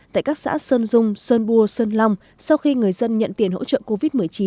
tại các xã sơn dung sơn bua sơn long sau khi người dân nhận tiền hỗ trợ covid một mươi chín